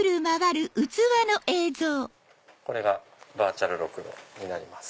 これがバーチャルろくろになります。